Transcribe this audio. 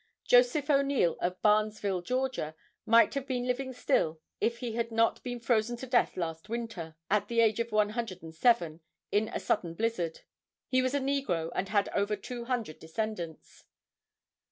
Joseph O'Neal of Barnesville, Georgia, might have been living still if he had not been frozen to death last winter, at the age of 107, in a sudden blizzard. He was a negro, and had over 200 descendants.